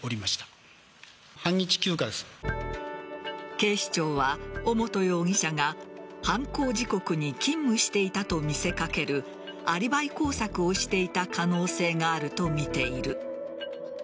警視庁は尾本容疑者が犯行時刻に勤務していたと見せかけるアリバイ工作をしていた可能性があるとみている。